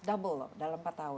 double loh dalam empat tahun